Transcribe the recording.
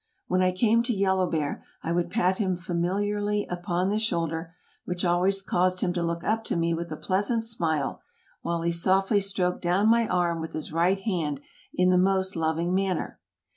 When I came to Yellow Bear I would pat him familiarly upon the shoulder, which always caused him to look up to me with a pleasant smile, while he softly stroked down my arm with his right hand in the most loving manner.